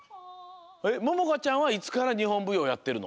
ももかちゃんはいつからにほんぶようをやってるの？